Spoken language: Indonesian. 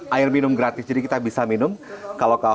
air minum gratis jadi kita bisa minum kalau